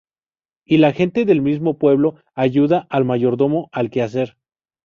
Y la gente del mismo pueblo ayuda al mayordomo al quehacer.